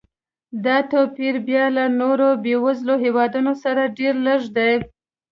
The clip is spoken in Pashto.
دا توپیر بیا له نورو بېوزلو هېوادونو سره ډېر لږ دی.